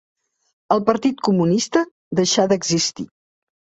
El Partit Comunista deixà d'existir.